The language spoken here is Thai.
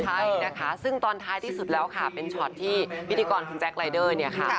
ใช่นะคะซึ่งตอนท้ายที่สุดแล้วค่ะเป็นช็อตที่พิธีกรคุณแจ๊คลายเดอร์เนี่ยค่ะ